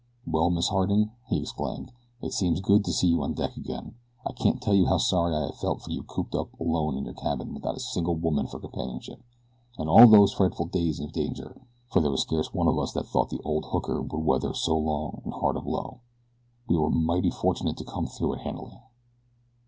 "Well, Miss Harding," he exclaimed, "it seems good to see you on deck again. I can't tell you how sorry I have felt for you cooped up alone in your cabin without a single woman for companionship, and all those frightful days of danger, for there was scarce one of us that thought the old hooker would weather so long and hard a blow. We were mighty fortunate to come through it so handily."